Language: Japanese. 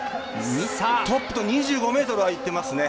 トップと２５ｍ開いてます。